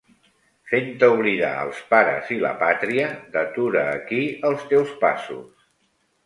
Fent-te oblidar els pares i la pàtria, detura aquí els teus passos.